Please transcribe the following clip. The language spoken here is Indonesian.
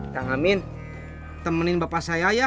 tangamin temenin bapak saya ya